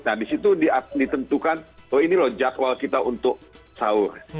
nah di situ ditentukan oh ini loh jadwal kita untuk sahur